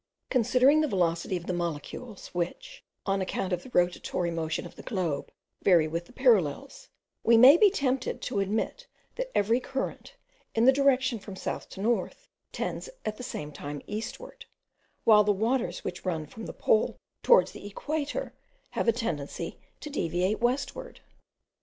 Considering the velocity of the molecules, which, on account of the rotatory motion of the globe, vary with the parallels, we may be tempted to admit that every current, in the direction from south to north, tends at the same time eastward, while the waters which run from the pole towards the equator, have a tendency to deviate westward.